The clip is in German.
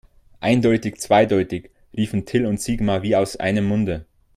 Eindeutig zweideutig, riefen Till und Sigmar wie aus einem Munde.